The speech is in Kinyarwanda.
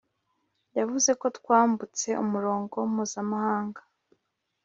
yavuze ko twambutse umurongo mpuzamahanga